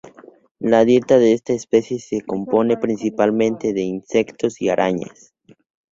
La dieta de esta especie se compone principalmente de insectos y arañas.